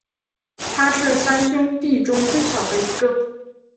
他是三兄弟中最小的一个。